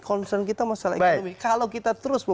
concern kita masalah ekonomi